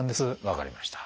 分かりました。